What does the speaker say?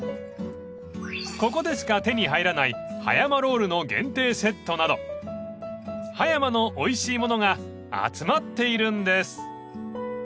ここでしか手に入らない葉山ロールの限定セットなど葉山のおいしいものが集まっているんです］